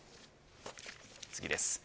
次です。